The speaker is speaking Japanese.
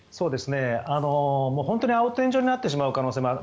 本当に青天井になってしまう可能性もある。